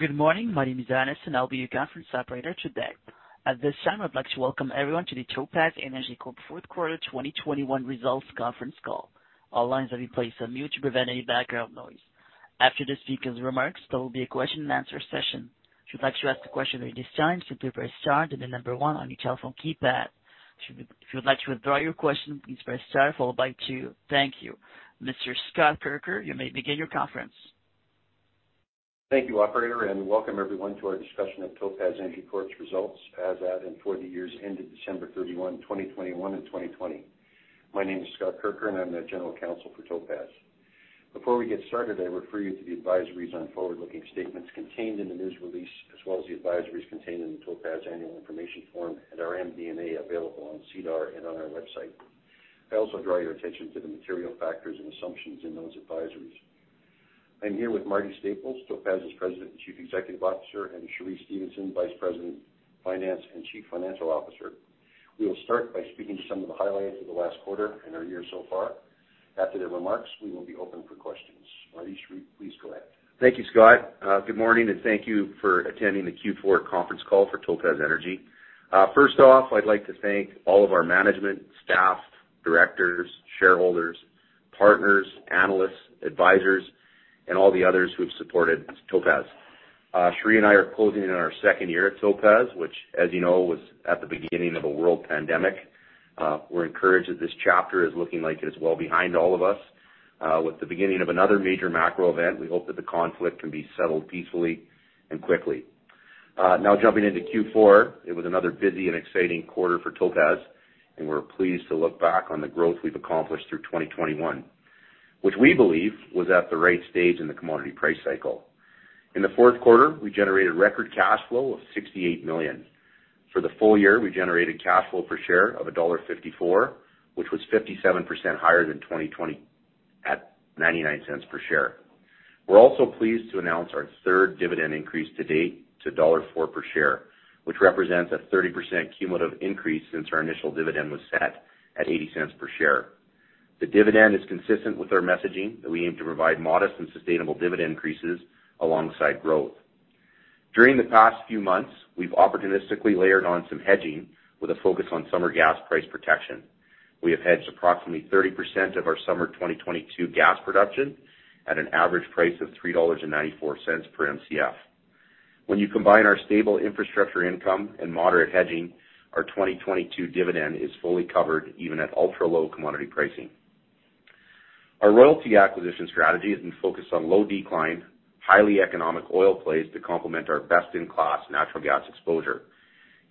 Good morning. My name is Annis, and I'll be your conference operator today. At this time, I'd like to welcome everyone to the Topaz Energy Corp Fourth Quarter 2021 Results Conference Call. All lines have been placed on mute to prevent any background noise. After the speaker's remarks, there will be a question-and-answer session. If you'd like to ask a question at this time, simply press star, then the number one on your telephone keypad. If you would like to withdraw your question, please press star followed by two. Thank you. Mr. Scott Kirker, you may begin your conference. Thank you, operator, and welcome everyone to our discussion of Topaz Energy Corp.'s results as at and for the years ended December 31, 2021 and 2020. My name is Scott Kirker, and I'm the General Counsel for Topaz. Before we get started, I refer you to the advisories on forward-looking statements contained in the news release as well as the advisories contained in the Topaz Annual Information Form at our MD&A available on SEDAR and on our website. I also draw your attention to the material factors and assumptions in those advisories. I'm here with Marty Staples, Topaz's President and Chief Executive Officer, and Cheree Stephenson, Vice President, Finance, and Chief Financial Officer. We will start by speaking to some of the highlights of the last quarter and our year so far. After their remarks, we will be open for questions. Marty, Cheree, please go ahead. Thank you, Scott. Good morning, and thank you for attending the Q4 conference call for Topaz Energy. First off, I'd like to thank all of our management, staff, directors, shareholders, partners, analysts, advisors, and all the others who have supported Topaz. Cheree and I are closing in on our second year at Topaz, which, as you know, was at the beginning of a world pandemic. We're encouraged that this chapter is looking like it is well behind all of us. With the beginning of another major macro event, we hope that the conflict can be settled peacefully and quickly. Now jumping into Q4, it was another busy and exciting quarter for Topaz, and we're pleased to look back on the growth we've accomplished through 2021, which we believe was at the right stage in the commodity price cycle. In the fourth quarter, we generated record cash flow of 68 million. For the full year, we generated cash flow per share of dollar 1.54, which was 57% higher than 2020 at 0.99 per share. We're also pleased to announce our third dividend increase to date to dollar 0.04 per share, which represents a 30% cumulative increase since our initial dividend was set at 0.80 per share. The dividend is consistent with our messaging that we aim to provide modest and sustainable dividend increases alongside growth. During the past few months, we've opportunistically layered on some hedging with a focus on summer gas price protection. We have hedged approximately 30% of our summer 2022 gas production at an average price of 3.94 dollars per Mcf. When you combine our stable infrastructure income and moderate hedging, our 2022 dividend is fully covered even at ultra-low commodity pricing. Our royalty acquisition strategy has been focused on low decline, highly economic oil plays to complement our best-in-class natural gas exposure.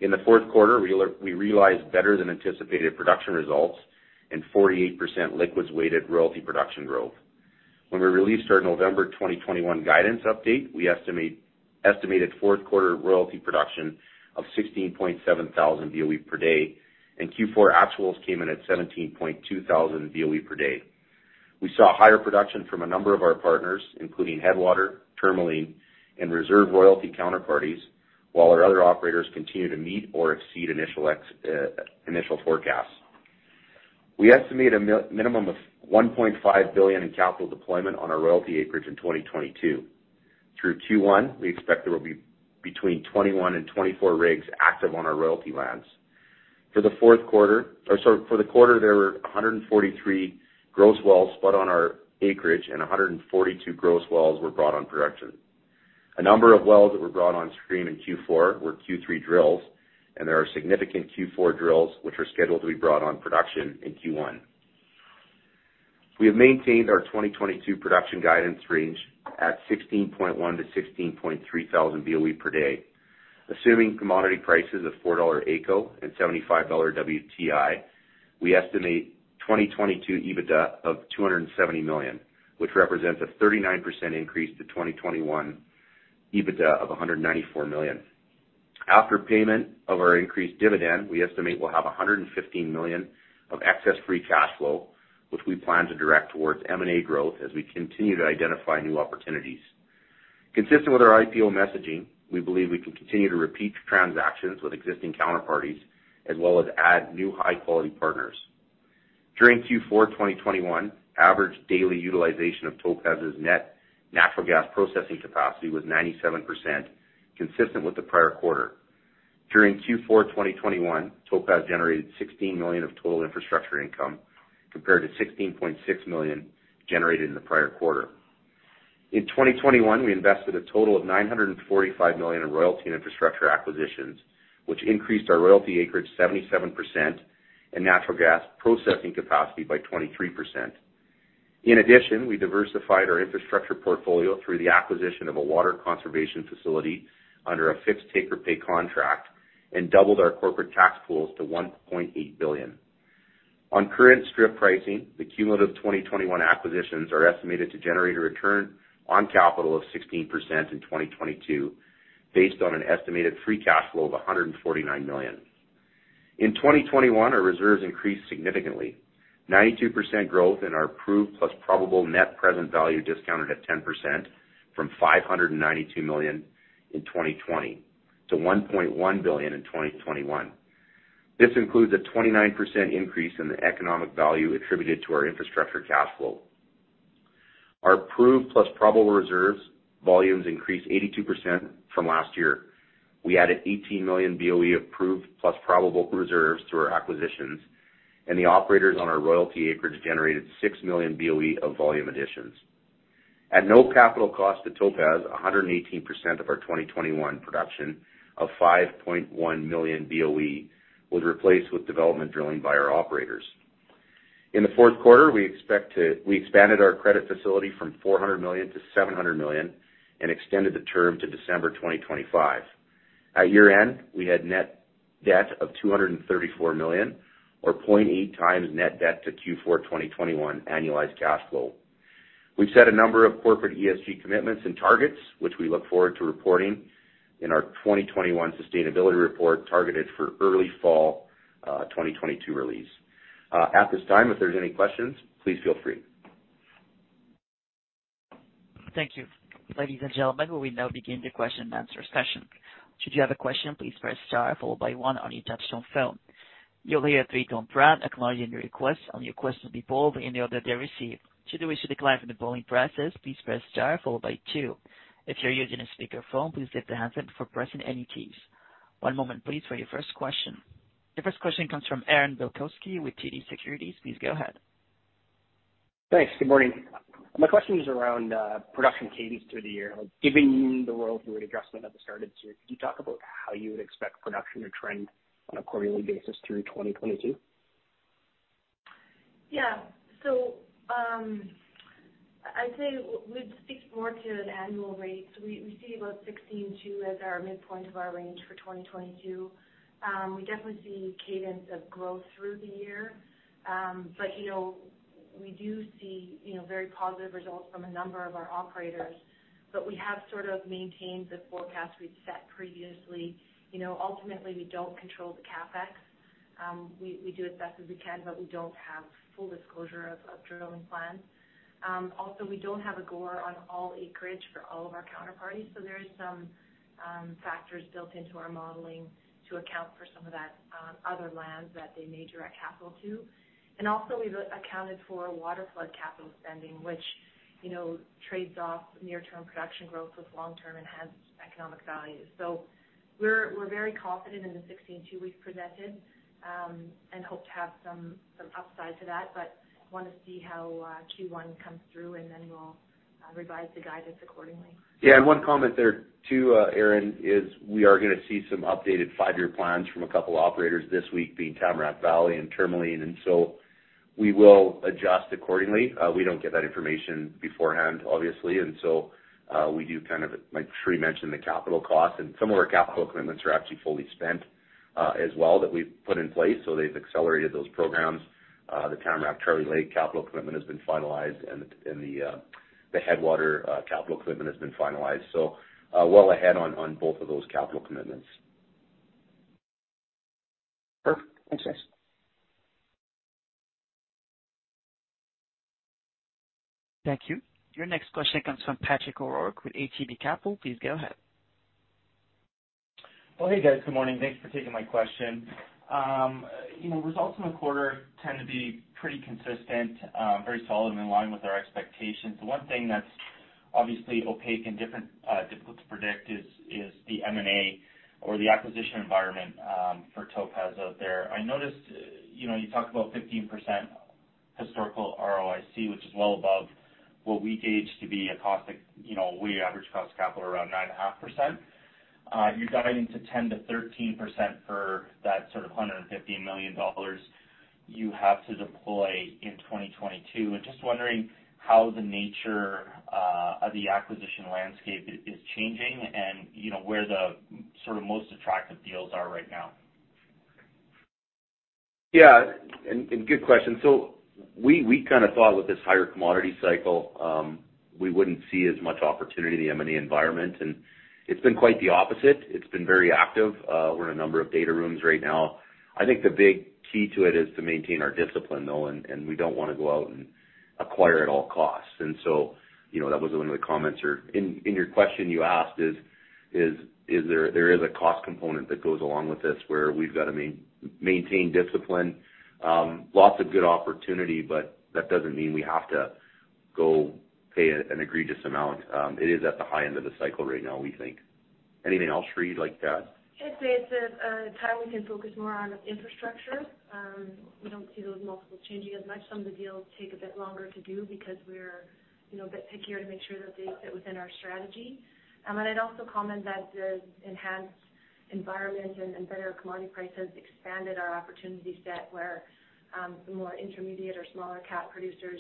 In the fourth quarter, we realized better than anticipated production results and 48% liquids-weighted royalty production growth. When we released our November 2021 guidance update, we estimated fourth quarter royalty production of 16,700 BOE per day, and Q4 actuals came in at 17,200 BOE per day. We saw higher production from a number of our partners, including Headwater, Tourmaline, and reserve royalty counterparties, while our other operators continue to meet or exceed initial forecasts. We estimate a minimum of 1.5 billion in capital deployment on our royalty acreage in 2022. Through Q1, we expect there will be between 21 and 24 rigs active on our royalty lands. For the quarter, there were 143 gross wells spud on our acreage, and 142 gross wells were brought on production. A number of wells that were brought on stream in Q4 were Q3 drills, and there are significant Q4 drills which are scheduled to be brought on production in Q1. We have maintained our 2022 production guidance range at 16.1-16.3 thousand BOE per day. Assuming commodity prices of 4 dollar AECO and $75 WTI, we estimate 2022 EBITDA of CAD 270 million, which represents a 39% increase to 2021 EBITDA of 194 million. After payment of our increased dividend, we estimate we'll have 115 million of excess free cash flow, which we plan to direct towards M&A growth as we continue to identify new opportunities. Consistent with our IPO messaging, we believe we can continue to repeat transactions with existing counterparties as well as add new high-quality partners. During Q4 2021, average daily utilization of Topaz's net natural gas processing capacity was 97%, consistent with the prior quarter. During Q4 2021, Topaz generated CAD 16 million of total infrastructure income, compared to CAD 16.6 million generated in the prior quarter. In 2021, we invested a total of CAD 945 million in royalty and infrastructure acquisitions, which increased our royalty acreage 77% and natural gas processing capacity by 23%. In addition, we diversified our infrastructure portfolio through the acquisition of a water conservation facility under a fixed take-or-pay contract and doubled our corporate tax pools to 1.8 billion. On current strip pricing, the cumulative 2021 acquisitions are estimated to generate a return on capital of 16% in 2022 based on an estimated free cash flow of 149 million. In 2021, our reserves increased significantly. 92% growth in our proved plus probable net present value discounted at 10% from 592 million in 2020 to 1.1 billion in 2021. This includes a 29% increase in the economic value attributed to our infrastructure cash flow. Our proved plus probable reserves volumes increased 82% from last year. We added 18 million BOE of proved plus probable reserves through our acquisitions, and the operators on our royalty acreage generated 6 million BOE of volume additions. At no capital cost to Topaz, 118% of our 2021 production of 5.1 million BOE was replaced with development drilling by our operators. In the fourth quarter, we expanded our credit facility from 400 million to 700 million and extended the term to December 2025. At year-end, we had net debt of 234 million or 0.8x net debt to Q4 2021 annualized cash flow. We've set a number of corporate ESG commitments and targets, which we look forward to reporting in our 2021 sustainability report targeted for early fall, 2022 release. At this time, if there's any questions, please feel free. Thank you. Ladies and gentlemen, we now begin the question and answer session. Should you have a question, please press star followed by one on your touch-tone phone. You'll hear a three-tone prompt acknowledging your request, and your question will be pulled in the order they're received. Should you wish to decline from the polling process, please press star followed by two. If you're using a speakerphone, please lift the handset before pressing any keys. One moment please for your first question. Your first question comes from Aaron Bilkoski with TD Securities. Please go ahead. Thanks. Good morning. My question is around production cadence through the year. Given the Clearwater flood adjustment at the start of this year, could you talk about how you would expect production to trend on a quarterly basis through 2022? Yeah. I'd say we'd speak more to an annual rate. We see about 162 as our midpoint of our range for 2022. We definitely see cadence of growth through the year. You know, we do see you know, very positive results from a number of our operators. We have sort of maintained the forecast we've set previously. You know, ultimately, we don't control the CapEx. We do as best as we can, but we don't have full disclosure of drilling plans. Also, we don't have a GOR on all acreage for all of our counterparties, so there is some factors built into our modeling to account for some of that other lands that they may direct capital to. Also, we've accounted for water flood capital spending, which, you know, trades off near-term production growth with long-term enhanced economic value. We're very confident in the 16.2 we've presented, and hope to have some upside to that, but wanna see how Q1 comes through, and then we'll revise the guidance accordingly. One comment there too, Aaron, is we are gonna see some updated five-year plans from a couple of operators this week, being Tamarack Valley and Tourmaline, so we will adjust accordingly. We don't get that information beforehand, obviously. We do kind of, like Cheree mentioned, the capital costs, and some of our capital commitments are actually fully spent, as well that we've put in place, so they've accelerated those programs. The Tamarack Charlie Lake capital commitment has been finalized, and the Headwater capital commitment has been finalized. Well ahead on both of those capital commitments. Perfect. Thanks, guys. Thank you. Your next question comes from Patrick O'Rourke with ATB Capital. Please go ahead. Hey, guys. Good morning. Thanks for taking my question. You know, results from the quarter tend to be pretty consistent, very solid and in line with our expectations. The one thing that's obviously opaque and different, difficult to predict is the M&A or the acquisition environment for Topaz out there. I noticed, you know, you talked about 15% historical ROIC, which is well above what we gauge to be our average cost of capital around 9.5%. You're guiding to 10%-13% for that sort of 150 million dollars you have to deploy in 2022. Just wondering how the nature of the acquisition landscape is changing, and you know, where the sort of most attractive deals are right now. Good question. We kinda thought with this higher commodity cycle, we wouldn't see as much opportunity in the M&A environment, and it's been quite the opposite. It's been very active. We're in a number of data rooms right now. I think the big key to it is to maintain our discipline, though, and we don't wanna go out and acquire at all costs. You know, that was one of the comments. In your question you asked is there a cost component that goes along with this, where we've got to maintain discipline. Lots of good opportunity, but that doesn't mean we have to go pay an egregious amount. It is at the high end of the cycle right now, we think. Anything else, Cheree, you'd like to add? I'd say it's a time we can focus more on infrastructure. We don't see those multiples changing as much. Some of the deals take a bit longer to do because we're, you know, a bit pickier to make sure that they fit within our strategy. I'd also comment that the enhanced environment and better commodity prices expanded our opportunity set, where the more intermediate or small-cap producers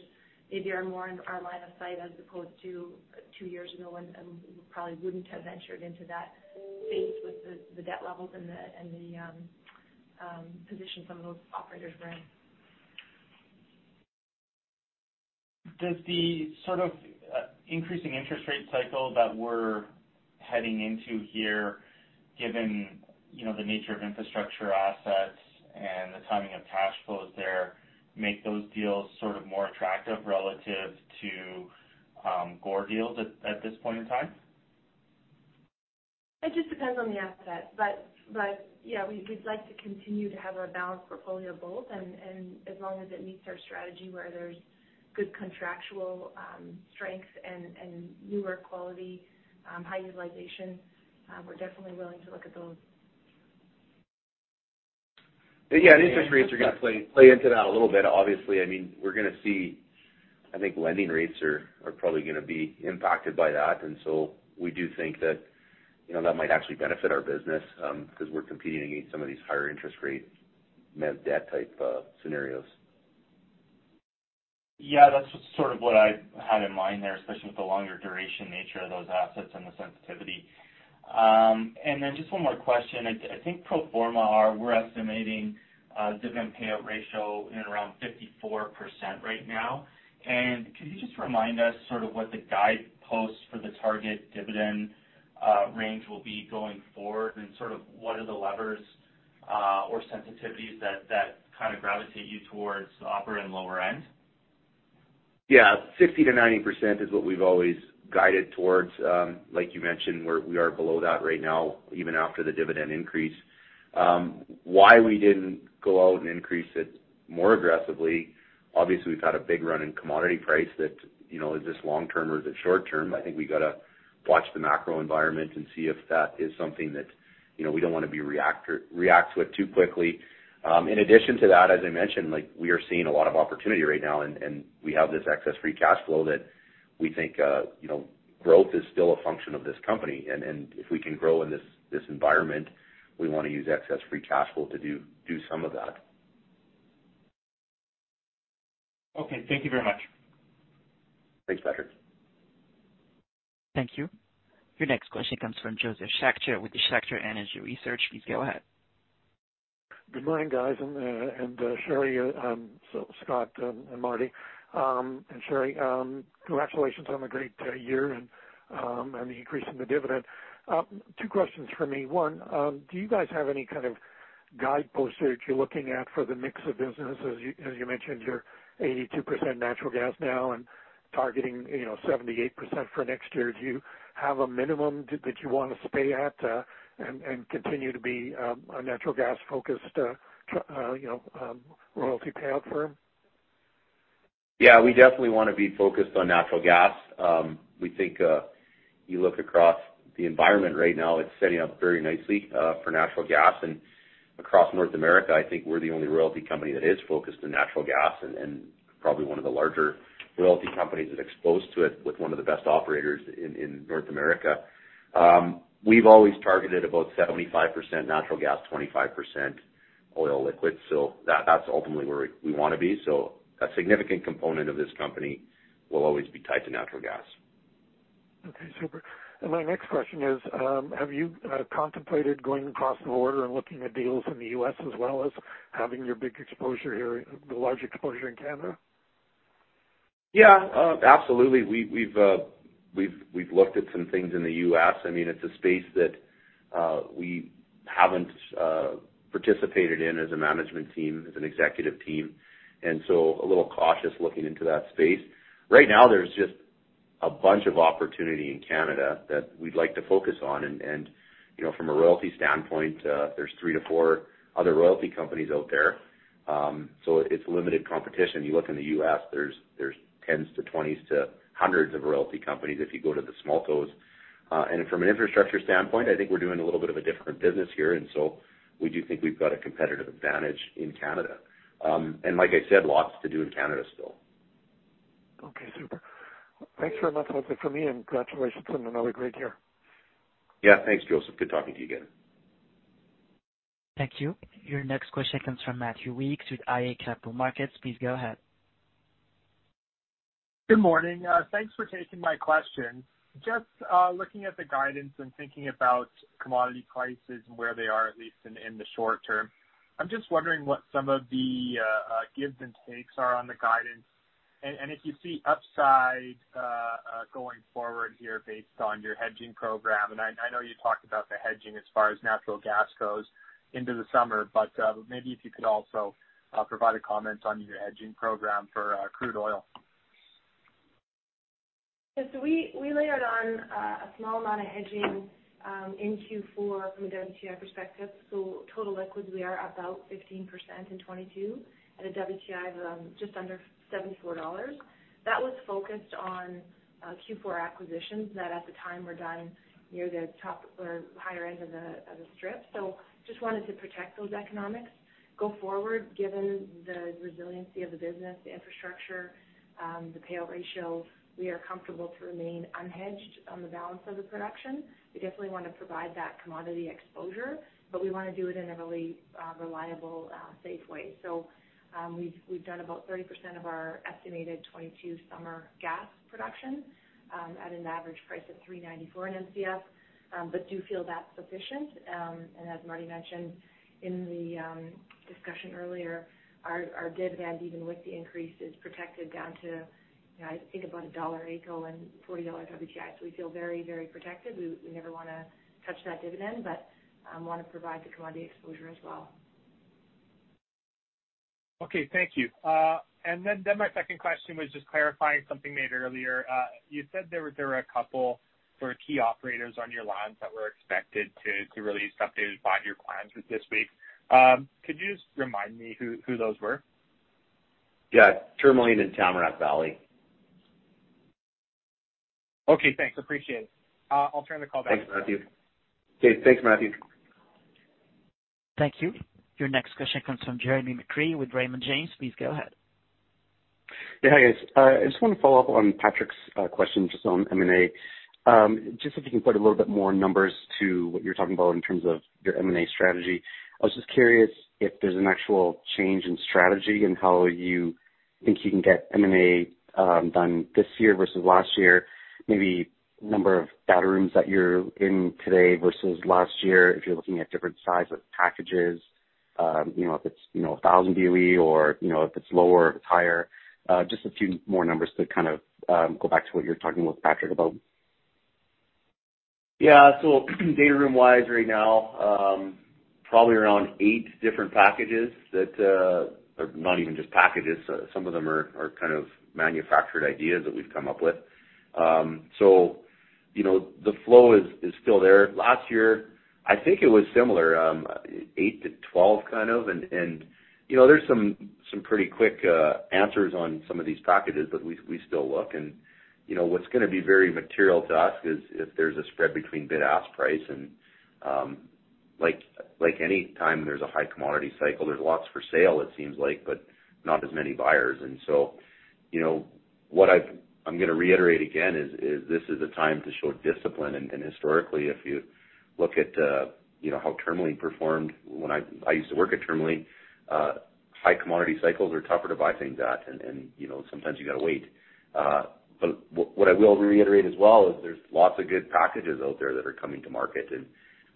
maybe are more in our line of sight as opposed to two years ago and we probably wouldn't have ventured into that space with the debt levels and the position some of those operators were in. Does the sort of increasing interest rate cycle that we're heading into here, given, you know, the nature of infrastructure assets and the timing of cash flows there, make those deals sort of more attractive relative to GOR deals at this point in time? It just depends on the asset. Yeah, we'd like to continue to have a balanced portfolio of both. As long as it meets our strategy where there's good contractual strength and newer quality, high utilization, we're definitely willing to look at those. Yeah, the interest rates are gonna play into that a little bit, obviously. I mean, we're gonna see, I think lending rates are probably gonna be impacted by that. We do think that, you know, that might actually benefit our business, because we're competing against some of these higher interest rate net debt type scenarios. Yeah. That's sort of what I had in mind there, especially with the longer duration nature of those assets and the sensitivity. Just one more question. I think pro forma, we're estimating dividend payout ratio in around 54% right now. Can you just remind us sort of what the guideposts for the target dividend range will be going forward and sort of what are the levers or sensitivities that kind of gravitate you towards the upper and lower end? Yeah. 60%-90% is what we've always guided towards. Like you mentioned, we are below that right now, even after the dividend increase. Why we didn't go out and increase it more aggressively, obviously, we've had a big run in commodity price that, you know, is this long term or is it short term? I think we gotta watch the macro environment and see if that is something that, you know, we don't wanna react to it too quickly. In addition to that, as I mentioned, like, we are seeing a lot of opportunity right now, and we have this excess free cash flow that we think, you know, growth is still a function of this company. If we can grow in this environment, we wanna use excess free cash flow to do some of that. Okay. Thank you very much. Thanks, Patrick. Thank you. Your next question comes from Josef Schachter with the Schachter Energy Research. Please go ahead. Good morning, guys and Cheree, so Scott and Marty and Cheree, congratulations on the great year and the increase in the dividend. Two questions from me. One, do you guys have any kind of guideposts that you're looking at for the mix of businesses? As you mentioned, you're 82% natural gas now and targeting, you know, 78% for next year. Do you have a minimum that you wanna stay at and continue to be a natural gas focused, you know, royalty payout firm? Yeah. We definitely wanna be focused on natural gas. We think you look across the environment right now, it's setting up very nicely for natural gas. Across North America, I think we're the only royalty company that is focused on natural gas and probably one of the larger royalty companies that's exposed to it with one of the best operators in North America. We've always targeted about 75% natural gas, 25% oil liquids. That's ultimately where we wanna be. A significant component of this company will always be tied to natural gas. Okay, super. My next question is, have you contemplated going across the border and looking at deals in the U.S. as well as having your big exposure here, the large exposure in Canada? Yeah. Absolutely. We've looked at some things in the U.S. I mean, it's a space that we haven't participated in as a management team, as an executive team, and so a little cautious looking into that space. Right now, there's just a bunch of opportunity in Canada that we'd like to focus on. You know, from a royalty standpoint, there's 3-4 other royalty companies out there. So it's limited competition. You look in the U.S., there's tens to 20s to hundreds of royalty companies if you go to the small ones. And from an infrastructure standpoint, I think we're doing a little bit of a different business here, and so we do think we've got a competitive advantage in Canada. Like I said, lots to do in Canada still. Okay, super. Thanks very much. That's it for me, and congratulations on another great year. Yeah. Thanks, Josef. Good talking to you again. Thank you. Your next question comes from Matthew Weekes with iA Capital Markets. Please go ahead. Good morning. Thanks for taking my question. Just looking at the guidance and thinking about commodity prices and where they are, at least in the short term. I'm just wondering what some of the gives and takes are on the guidance. If you see upside going forward here based on your hedging program. I know you talked about the hedging as far as natural gas goes into the summer, but maybe if you could also provide a comment on your hedging program for crude oil. Yeah. We layered on a small amount of hedging in Q4 from a WTI perspective. Total liquids, we are about 15% in 2022 at a WTI of just under $74. That was focused on Q4 acquisitions that at the time were done near the top or higher end of the strip. Just wanted to protect those economics. Going forward, given the resiliency of the business, the infrastructure, the payout ratio, we are comfortable to remain unhedged on the balance of the production. We definitely wanna provide that commodity exposure, but we wanna do it in a really reliable safe way. We've done about 30% of our estimated 2022 summer gas production at an average price of 3.94/Mcf, but do feel that's sufficient. As Marty mentioned in the discussion earlier, our dividend, even with the increase, is protected down to, you know, I think about CAD 1 AECO and $40 WTI. We feel very, very protected. We never wanna touch that dividend, but wanna provide the commodity exposure as well. Okay. Thank you. My second question was just clarifying something made earlier. You said there were a couple sort of key operators on your lines that were expected to release updates by your clients this week. Could you just remind me who those were? Yeah. Tourmaline and Tamarack Valley. Okay. Thanks. Appreciate it. I'll turn the call back. Thanks, Matthew. Okay. Thanks, Matthew. Thank you. Your next question comes from Jeremy McCrea with Raymond James. Please go ahead. Yeah. Hi, guys. I just wanna follow up on Patrick's question just on M&A. Just if you can put a little bit more numbers to what you're talking about in terms of your M&A strategy. I was just curious if there's an actual change in strategy and how you think you can get M&A done this year versus last year, maybe number of data rooms that you're in today versus last year, if you're looking at different size of packages, you know, if it's, you know, 1,000 BOE or, you know, if it's lower, if it's higher. Just a few more numbers to kind of go back to what you were talking with Patrick about. Yeah. Data room-wise right now, probably around 8 different packages. Or not even just packages, some of them are kind of manufactured ideas that we've come up with. You know, the flow is still there. Last year, I think it was similar, 8 to 12 kind of, and you know, there's some pretty quick answers on some of these packages, but we still look. You know, what's gonna be very material to us is if there's a spread between bid-ask price. Like any time there's a high commodity cycle, there's lots for sale, it seems like, but not as many buyers. You know, I'm gonna reiterate again, this is a time to show discipline. Historically, if you look at, you know, how Tourmaline performed when I used to work at Tourmaline, high commodity cycles are tougher to buy things at and, you know, sometimes you gotta wait. What I will reiterate as well is there's lots of good packages out there that are coming to market.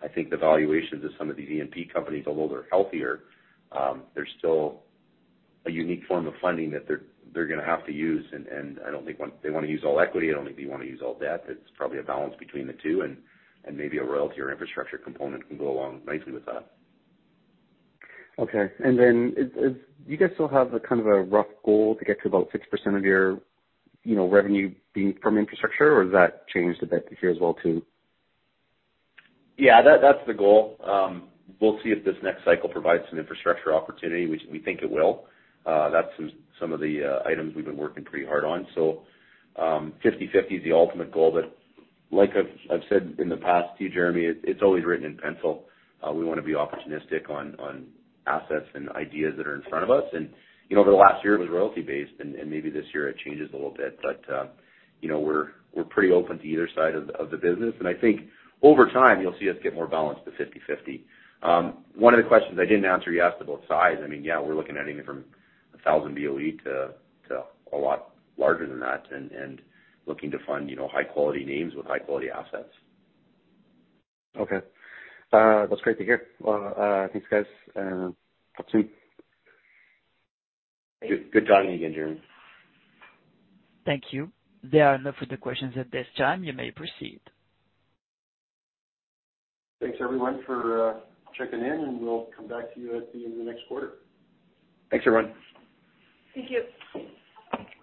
I think the valuations of some of these E&P companies, although they're healthier, there's still a unique form of funding that they're gonna have to use. I don't think they wanna use all equity. I don't think they wanna use all debt. It's probably a balance between the two and maybe a royalty or infrastructure component can go along nicely with that. Okay. Do you guys still have a kind of a rough goal to get to about 6% of your, you know, revenue being from infrastructure, or has that changed a bit this year as well too? Yeah, that's the goal. We'll see if this next cycle provides some infrastructure opportunity, which we think it will. That's some of the items we've been working pretty hard on. 50/50 is the ultimate goal. But like I've said in the past to you, Jeremy, it's always written in pencil. We wanna be opportunistic on assets and ideas that are in front of us. You know, over the last year it was royalty-based and maybe this year it changes a little bit. But you know, we're pretty open to either side of the business. I think over time, you'll see us get more balanced to 50/50. One of the questions I didn't answer, you asked about size. I mean, yeah, we're looking at anything from 1,000 BOE to a lot larger than that and looking to fund, you know, high quality names with high quality assets. Okay. That's great to hear. Well, thanks, guys, and talk soon. Good talking to you again, Jeremy. Thank you. There are no further questions at this time. You may proceed. Thanks everyone for checking in, and we'll come back to you at the end of next quarter. Thanks, everyone. Thank you.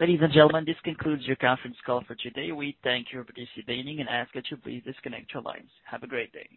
Ladies and gentlemen, this concludes your conference call for today. We thank you for participating and ask that you please disconnect your lines. Have a great day.